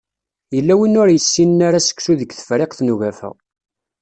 Yella win ur yessinen ara seksu deg Tefriqt n ugafa